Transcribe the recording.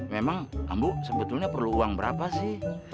memang ambu sebetulnya perlu uang berapa sih